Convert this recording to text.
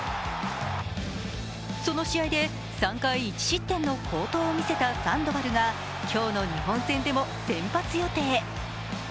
その試合で、３回１失点の好投を見せたサンドバルが今日の日本戦でも先発予定。